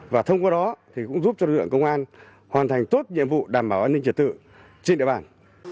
và thông qua đó thì cũng giúp cho lực lượng công an hoàn thành tốt nhiệm vụ đảm bảo an ninh trật tự trên địa bàn